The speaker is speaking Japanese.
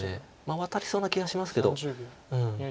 ワタりそうな気がしますけど。